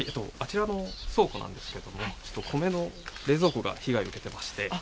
あちらの倉庫なんですけども、ちょっと米の冷蔵庫が被害を受けてまして。